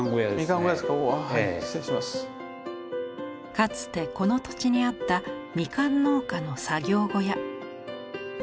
かつてこの土地にあったみかん農家の作業小屋。